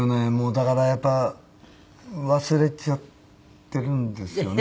だからやっぱり忘れちゃってるんですよね。